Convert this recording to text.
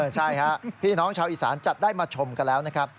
ใช่ครับพี่น้องชาวอีสานจัดได้มาชมกันแล้วนะครับ